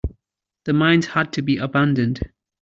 The mines had to be abandoned.